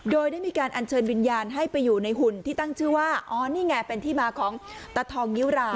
โดยได้มีการอัญเชิญวิญญาณให้ไปอยู่ในหุ่นที่ตั้งชื่อว่าอ๋อนี่ไงเป็นที่มาของตาทองงิ้วรา